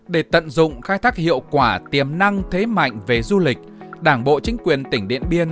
để tận dụng khai thác hiệu quả tiềm năng thế mạnh về du lịch đảng bộ chính quyền tỉnh điện biên